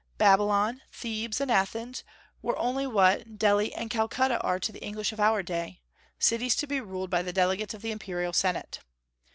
Babylon, Thebes, and Athens were only what Delhi and Calcutta are to the English of our day, cities to be ruled by the delegates of the imperial Senate.